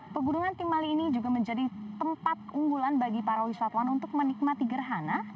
pegunungan timali ini juga menjadi tempat unggulan bagi para wisatawan untuk menikmati gerhana